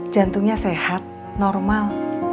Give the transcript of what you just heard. jantungnya sehat normal